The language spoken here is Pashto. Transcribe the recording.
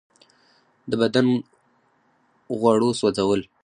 د بدن غوړو سوځول.